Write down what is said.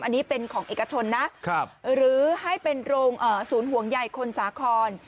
อันนี้เป็นของเอกชนนะหรือให้เป็นโรงศูนย์ห่วงใยคนสาคร